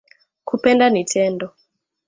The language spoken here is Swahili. Kupenda ni tendo